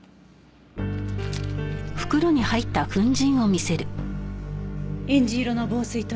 えんじ色の防水塗料？